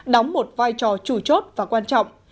đóng một vai trò chủ chốt và quan trọng